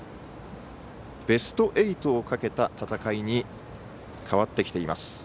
ベスト８をかけた戦いに変わってきています。